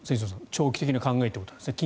長期的な考えということですよね。